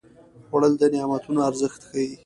خوړل د نعمتونو ارزښت ښيي